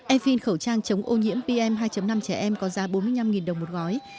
efin khẩu trang chống ô nhiễm pm hai năm trẻ em có giá bốn mươi năm đồng một gói